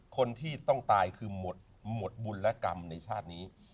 คนที่ต้องตายคือหมดบุญและกรรมในชาตินี้